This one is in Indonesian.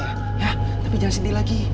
ya tapi jangan sedih lagi